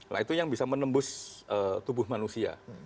nah itu yang bisa menembus tubuh manusia